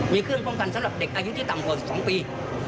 มีเครื่องป้องกันสำหรับเด็กอายุที่ต่ำกว่า๑๒ปี